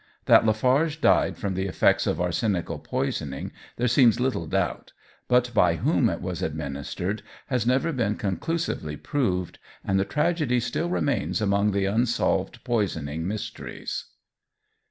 That Lafarge died from the effects of arsenical poisoning there seems little doubt, but by whom it was administered has never been conclusively proved, and the tragedy still remains among the unsolved poisoning mysteries.